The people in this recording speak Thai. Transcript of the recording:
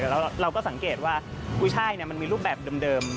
แล้วเราก็สังเกตว่ากุ้ยช่ายมันมีรูปแบบเดิม